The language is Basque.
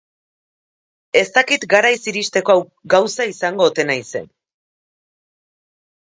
Ez dakit garaiz iristeko gauza izango ote naizen.